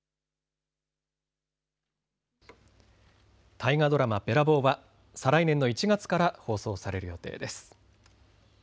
大河ドラマ、べらぼうは再来年の１月から放送される予定です。